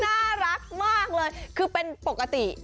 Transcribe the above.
น่ารักมากเลยคือเป็นปกติ